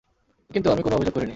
কিন্তু, আমি কোনও অভিযোগ করিনি!